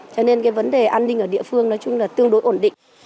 cho nên cái vấn đề an ninh ở địa phương nói chung là tương đối ổn định